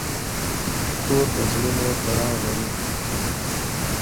کور د زړونو تړاو لري.